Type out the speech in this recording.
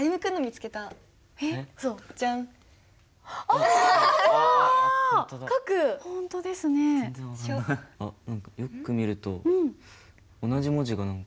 あっよく見ると同じ文字が何か。